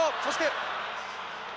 そして。